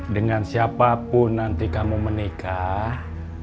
dengan siapapun nanti kamu menikah